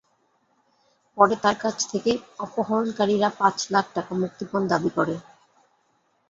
পরে তাঁর কাছ থেকে অপহরণকারীরা পাঁচ লাখ টাকা মুক্তিপণ দাবি করে।